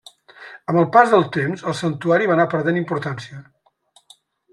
Amb el pas del temps, el santuari va anar perdent importància.